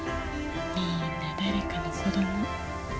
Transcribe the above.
みんな誰かの子ども。